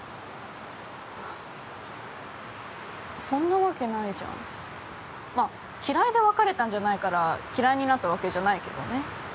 そんなわけないじゃんまあ嫌いで別れたんじゃないから嫌いになったわけじゃないけどね